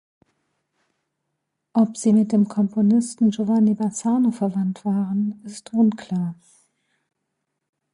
Ob sie mit dem Komponisten Giovanni Bassano verwandt waren, ist unklar.